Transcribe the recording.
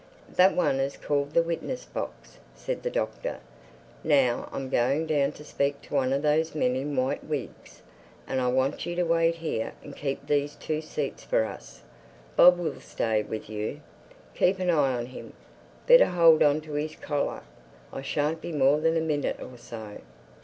"That one is called the witness box," said the Doctor. "Now I'm going down to speak to one of those men in white wigs; and I want you to wait here and keep these two seats for us. Bob will stay with you. Keep an eye on him—better hold on to his collar. I shan't be more than a minute or so."